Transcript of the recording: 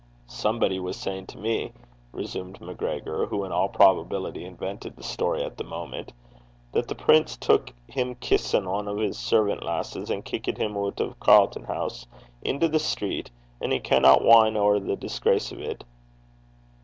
'Somebody was sayin' to me,' resumed MacGregor, who, in all probability, invented the story at the moment, 'that the prince took him kissin' ane o' his servan' lasses, and kickit him oot o' Carlton Hoose into the street, and he canna win' ower the disgrace o' 't.'